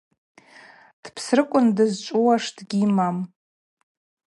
Дпсрыкӏвын дызчӏвыуаш дыгьйымам.